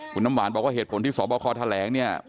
คุณน้ำหวานบอกว่าเหตุผลที่สบคแถลงเนี่ย